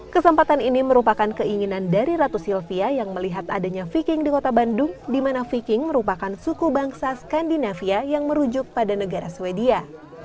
kesempatan ini merupakan keinginan dari ratu sylvia yang melihat adanya viking di kota bandung di mana viking merupakan suku bangsa skandinavia yang merujuk pada negara sweden